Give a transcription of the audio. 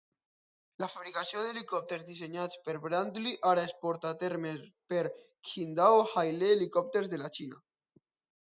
La fabricació d'helicòpters dissenyats per Brantly ara es porta a terme per Qingdao Hailie Helicopters de la Xina.